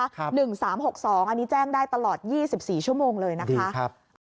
อันนี้แจ้งได้ตลอด๒๔ชั่วโมงเลยนะคะ